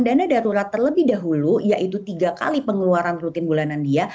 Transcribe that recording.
dana darurat terlebih dahulu yaitu tiga kali pengeluaran rutin bulanan dia